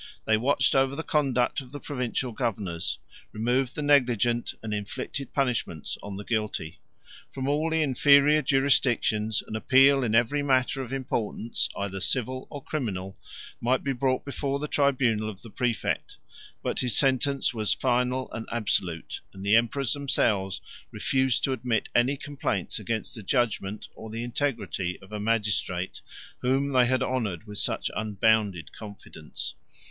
They watched over the conduct of the provincial governors, removed the negligent, and inflicted punishments on the guilty. From all the inferior jurisdictions, an appeal in every matter of importance, either civil or criminal, might be brought before the tribunal of the præfect; but his sentence was final and absolute; and the emperors themselves refused to admit any complaints against the judgment or the integrity of a magistrate whom they honored with such unbounded confidence.